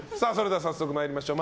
早速、参りましょう。